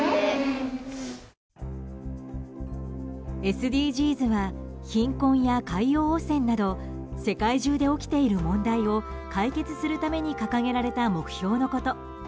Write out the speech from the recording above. ＳＤＧｓは貧困や海洋汚染など世界中で起きている問題を解決するために掲げられた目標のこと。